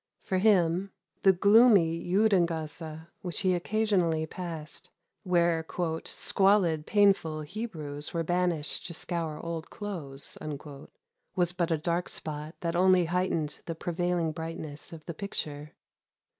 For him, the gloomy Judengasse, which he occasionally passed, where "squalid, painful Hebrews were banished to scour old clothes," was but a dark spot that only heightened the prevailing brightness of the picture.